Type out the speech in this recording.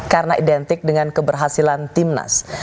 karena identik dengan keberhasilan timnas